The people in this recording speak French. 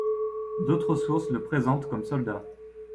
D'autres sources le présentent comme soldat.